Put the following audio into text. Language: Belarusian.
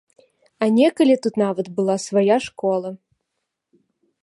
А некалі тут нават была свая школа.